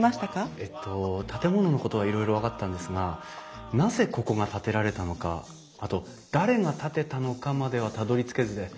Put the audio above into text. えっと建物のことはいろいろ分かったんですがなぜここが建てられたのかあと誰が建てたのかまではたどりつけずで。